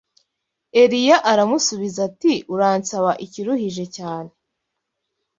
Eliya aramusubiza ati: “Uransaba ikiruhije cyane!